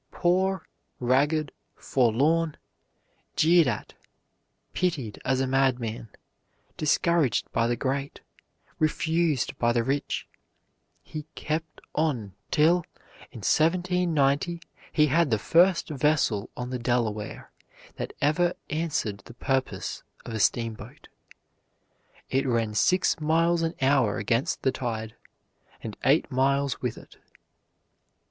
Poor, ragged, forlorn, jeered at, pitied as a madman, discouraged by the great, refused by the rich, he kept on till, in 1790, he had the first vessel on the Delaware that ever answered the purpose of a steamboat. It ran six miles an hour against the tide, and eight miles with it.